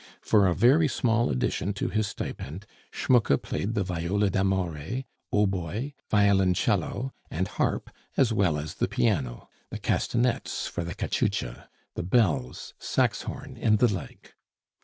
For a very small addition to his stipend, Schmucke played the viola d'amore, hautboy, violoncello, and harp, as well as the piano, the castanets for the cachucha, the bells, saxhorn, and the like.